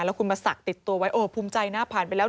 แล้วคุณมาสักติดตัวไว้โอ้ภูมิใจนะผ่านไปแล้ว